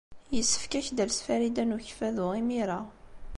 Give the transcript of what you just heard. Yessefk ad ak-d-tales Farida n Ukeffadu imir-a.